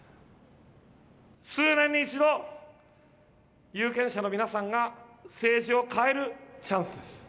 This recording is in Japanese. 数年に一度、有権者の皆さんが政治を変えるチャンスです。